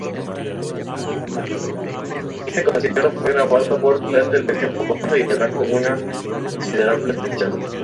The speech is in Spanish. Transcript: Este concierto fue grabado por la televisión japonesa y atrajo una considerable atención.